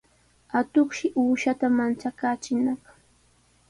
Atuqshi uushata manchakaachinaq.